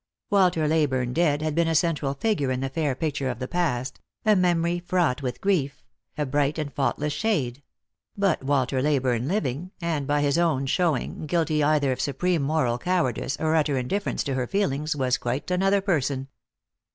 Walter Leyburne dead had been a central figure in the fair picture of the past, a memory fraught with grief, a bright and faultless shade; but "Walter Leyburne living, and, by his own showing, guilty either of supreme moral cowardice or utter indifference to her feelings, was quite another person.